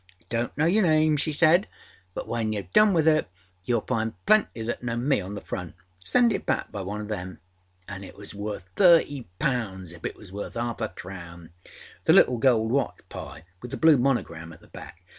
âI donât know your name,â she said, âbut when youâve done with it, youâll find plenty that know me on the front. Send it back by one oâ them.â And it was worth thirty pounds if it was worth âarf a crown. The little gold watch, Pye, with the blue monogram at the back.